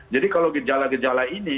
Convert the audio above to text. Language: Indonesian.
jadi kalau gejala gejala ini